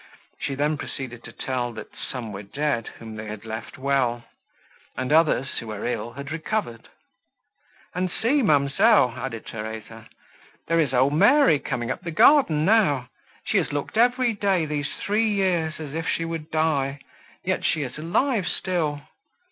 She then proceeded to tell, that some were dead whom they had left well; and others, who were ill, had recovered. "And see, ma'amselle," added Theresa, "there is old Mary coming up the garden now; she has looked every day these three years as if she would die, yet she is alive still.